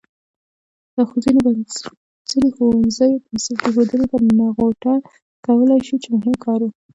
ځینو ښوونځیو بنسټ ایښودنې ته نغوته کولای شو چې مهم کار و.